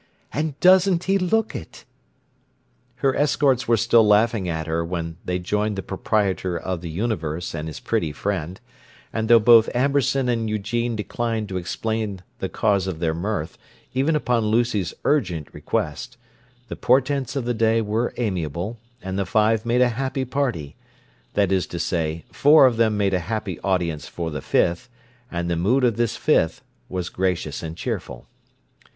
"And doesn't he look it!" Her escorts were still laughing at her when they joined the proprietor of the universe and his pretty friend, and though both Amberson and Eugene declined to explain the cause of their mirth, even upon Lucy's urgent request, the portents of the day were amiable, and the five made a happy party—that is to say, four of them made a happy audience for the fifth, and the mood of this fifth was gracious and cheerful.